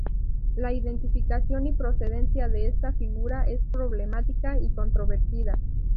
La identificación y procedencia de esta figura es problemática y controvertida.